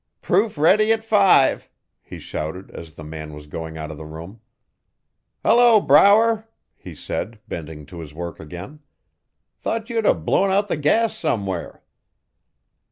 'Proof ready at five!' he shouted as the man was going out of the room. 'Hello! Brower,' he said bending to his work again. 'Thought you'd blown out the gas somewhere.